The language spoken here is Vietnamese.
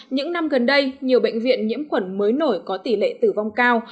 những năm gần đây nhiều bệnh viện nhiễm khuẩn mới nổi có tỷ lệ tử vong cao